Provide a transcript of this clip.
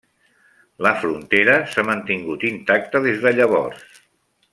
La frontera s'ha mantingut intacta des de llavors.